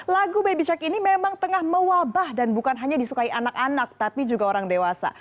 lagu baby shock ini memang tengah mewabah dan bukan hanya disukai anak anak tapi juga orang dewasa